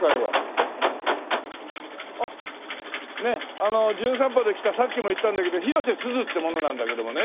あの『じゅん散歩』で来たさっきも言ったんだけど広瀬すずって者なんだけどもね。